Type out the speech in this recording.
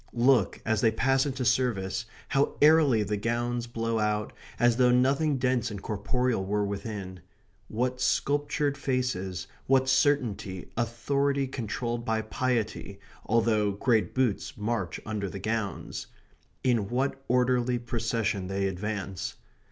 Look, as they pass into service, how airily the gowns blow out, as though nothing dense and corporeal were within. What sculptured faces, what certainty, authority controlled by piety, although great boots march under the gowns. In what orderly procession they advance.